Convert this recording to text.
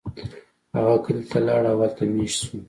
هغه کلی ته لاړ او هلته میشت شو.